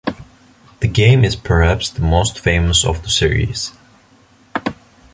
This game is perhaps the most famous of the series.